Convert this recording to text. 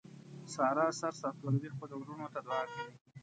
ساره سر سرتوروي خپلو ورڼو ته دعاکوي.